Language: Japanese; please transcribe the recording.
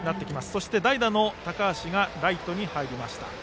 そして、代打の高橋がライトに入りました。